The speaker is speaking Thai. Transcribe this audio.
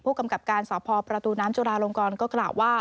กำกับการสพประตูน้ำจุลาลงกรก็กล่าวว่า